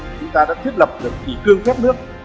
chúng ta đã thiết lập được kỷ cương khép nước